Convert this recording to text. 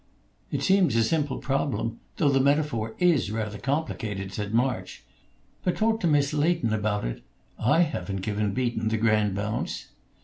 "It seems a simple problem, though the metaphor is rather complicated," said March. "But talk to Miss Leighton about it. I haven't given Beaton the grand bounce."